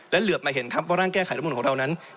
และเหลือบมาเห็นครับว่าร่างแก้ไขระบบเลือกตั้งของเรานั้น